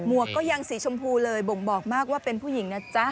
วกก็ยังสีชมพูเลยบ่งบอกมากว่าเป็นผู้หญิงนะจ๊ะ